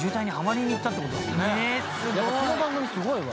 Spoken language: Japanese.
やっぱこの番組すごいわ。